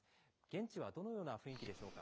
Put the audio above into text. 現地はどのような雰囲気でしょう